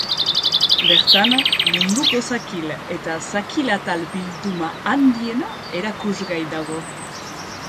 Bertan, munduko zakil eta zakil atal bilduma handiena erakusgai dago.